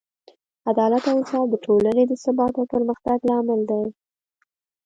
عدالت او انصاف د ټولنې د ثبات او پرمختګ لامل دی.